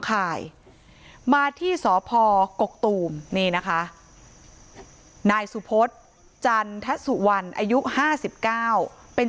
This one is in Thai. ข่ายมาที่สพกกตูมนี่นะคะนายสุพศจันทสุวรรณอายุ๕๙เป็น